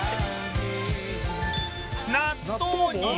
納豆にも